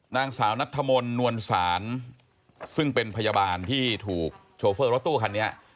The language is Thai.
นางสาวนัทธมนต์นวลศาลซึ่งเป็นพยาบาลที่ถูกโชเฟอร์รถตู้คันนี้